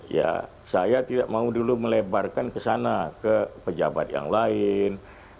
ya saya tidak mau dulu melebarkan ke sana ke pejabat yang lain